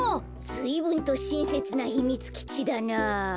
ずいぶんとしんせつなひみつきちだな。